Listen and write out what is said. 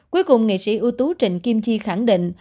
cuối cùng nghệ sĩ ưu tú trịnh kim chi khẳng định